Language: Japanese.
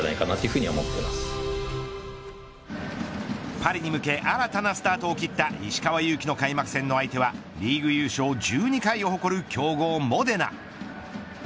パリに向け新たなスタートを切った石川祐希、開幕戦の相手はリーグ優勝１２回を誇る強豪モデナ。